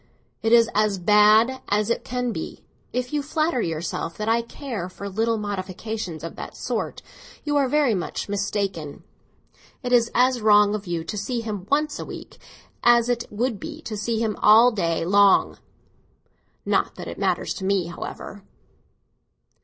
It is as bad as it can be. If you flatter yourself that I care for little modifications of that sort, you are very much mistaken. It is as wrong of you to see him once a week as it would be to see him all day long. Not that it matters to me, however."